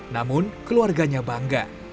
namun keluarganya bangga